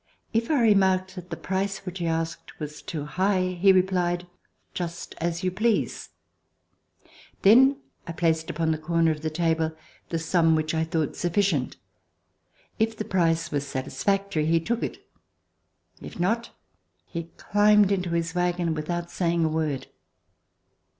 If I remarked that the price which he asked was too high, he replied: "Just as you please." Then I placed upon the corner of the table the sum which I thought sufficient. If the price was satisfactory, he took it; if not, he climbed into his wagon, without COUNTRY LIFE saying a word.